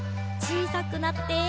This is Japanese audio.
ちいさくなって。